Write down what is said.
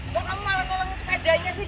kok kamu malah tolong sepedanya sih